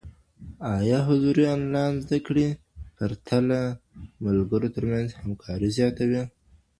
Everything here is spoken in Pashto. ايا حضوري ټولګي د انلاين زده کړې په پرتله د ملګرو ترمنځ همکاري زیاتوي؟